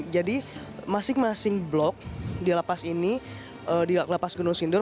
jadi masing masing blok di lapas ini di lapas gunung sindur